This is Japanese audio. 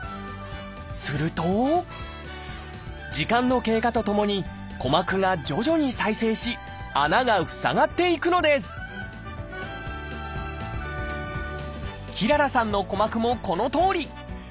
すると時間の経過とともに鼓膜が徐々に再生し穴が塞がっていくのですきららさんの鼓膜もこのとおり。